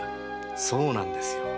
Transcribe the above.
そうなんですよ。